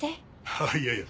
ああいやいや。